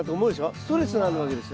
ストレスがあるわけですよ。